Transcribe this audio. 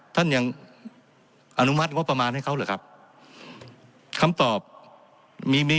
ท่านยังอนุมัติงบประมาณให้เขาเหรอครับคำตอบมีมี